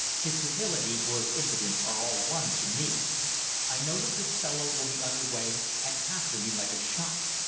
His civility or his impudence are all one to me. I know that this fellow will be under way and after me like a shot.